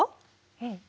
うん。